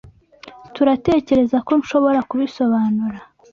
turatekerezako nshobora kubisobanura.